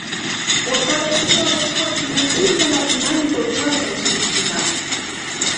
Wapare pia wamekuwa wakihusishwa na imani za uchawi na ushirikina